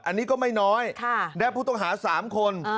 อันนี้ก็ไม่น้อยได้ผู้ต้องหา๓คน